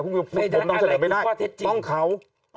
คุณตอบไม่ได้ไงผมนำเสนอไม่ได้ต้องเขา